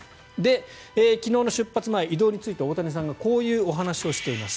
昨日の出発前、移動については大谷さんがこういうお話をしています。